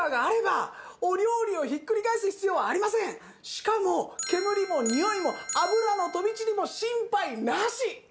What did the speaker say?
しかも煙もにおいも油の飛び散りも心配なし！